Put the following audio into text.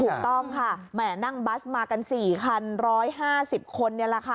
ถูกต้องค่ะแหม่นั่งบัสมากัน๔คัน๑๕๐คนนี่แหละค่ะ